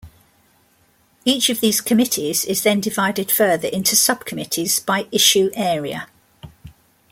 Each of these committees is then divided further into sub-committees by issue area.